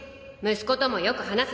「息子ともよく話せ！」